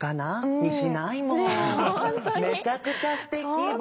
めちゃくちゃすてき。